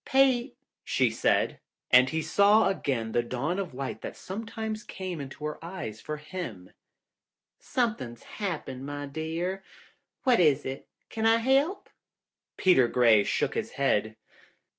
"Pete," she said, and he saw again the dawn of light that sometimes came into her eyes for him, "something's happened, my dear. What is it? Can I help?" Peter Gray shook his head.